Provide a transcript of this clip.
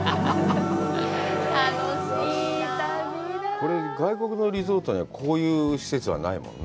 これ外国のリゾートにはこういう施設はないもんね。